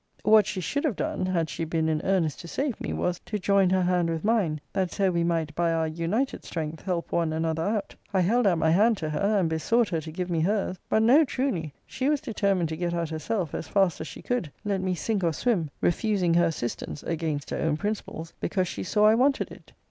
What she should have done, had she been in earnest to save me, was, to join her hand with mine, that so we might by our united strength help one another out. I held out my hand to her, and besought her to give me her's: But, no truly! she was determined to get out herself as fast as she could, let me sink or swim: refusing her assistance (against her own principles) because she saw I wanted it.